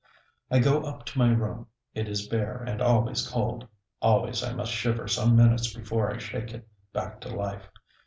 I go up to my room. It is bare and always cold; always I must shiver some minutes before I shake it back to life.